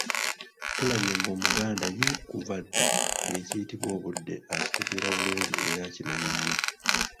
Tulabye ng'Omuganda ye kuva dda nga ekiyitibwa obudde akitegeera bulungi era akimanyi nnyo .